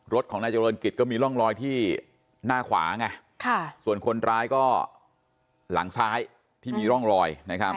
รถของนายเจริญกิจก็มีร่องรอยที่หน้าขวาไงส่วนคนร้ายก็หลังซ้ายที่มีร่องรอยนะครับ